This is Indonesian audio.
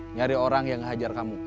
nyari orang yang hajar kamu